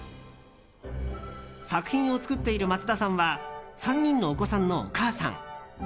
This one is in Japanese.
作品を作っている松田さんは３人のお子さんのお母さん。